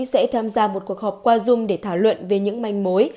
sẽ tham gia một cuộc họp qua dung để thảo luận về những manh mối